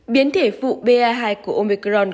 biến thể phụ ba hai của omicron